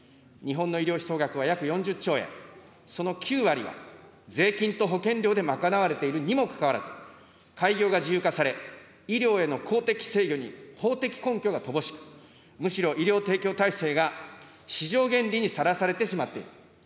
日本の医療費総額は約４０兆円、その９割が税金と保険料で賄われているにもかかわらず、開業が自由化され、医療への公的制御に法的根拠が乏しく、むしろ医療提供体制が市場原理にさらされてしまっている。